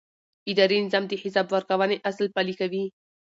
اداري نظام د حساب ورکونې اصل پلي کوي.